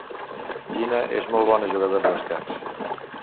Gina és molt bona jugadora d'escacs.